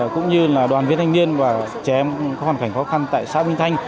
cũng như là đoàn viên thanh niên và trẻ em có hoàn cảnh khó khăn tại xã minh thanh